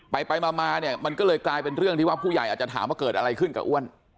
ไปไปมาเนี่ยมันก็เลยกลายเป็นเรื่องที่ว่าผู้ใหญ่อาจจะถามว่าเกิดอะไรขึ้นกับอ้วน